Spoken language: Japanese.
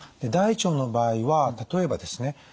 大腸の場合は例えばですね